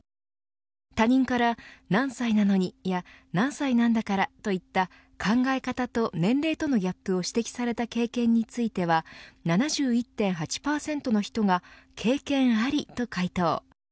他人から、何歳なのに、や何歳なんだから、といった考え方と年齢とのギャップを指摘された経験については７１．８％の人が経験ありと回答。